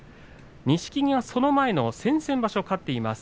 錦木はその前の先々場所勝っています。